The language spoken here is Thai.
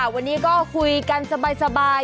วันนี้ก็คุยกันสบาย